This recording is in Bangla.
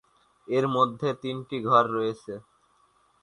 এর মধ্যে তিনটি ঘর রয়েছে।